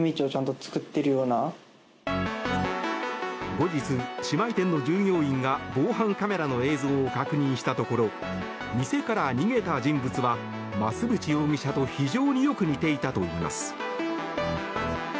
後日、姉妹店の従業員が防犯カメラの映像を確認したところ店から逃げた人物は増渕容疑者と非常によく似ていたといいます。